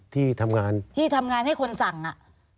ที่ทำงานให้คนสั่งอ่ะ